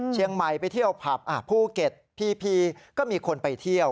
เชียงใหม่ไปเที่ยวผับภูเก็ตพีก็มีคนไปเที่ยว